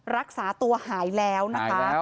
รักษาตัวหายแล้วนะคะ